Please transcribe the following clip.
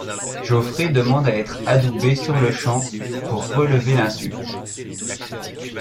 Jaufré demande à être adoubé sur le champ pour relever l’insulte.